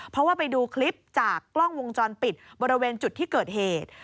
เพราะว่าไปดูคลิปจากกล้องวงจรปิดบริเวณจุดที่เกิดเหตุ